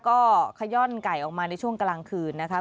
ก็ขย่อนไก่ออกมาในช่วงกลางคืนนะคะ